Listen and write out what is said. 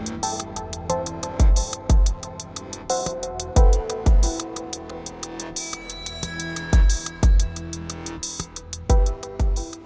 lalu gimana kedepannya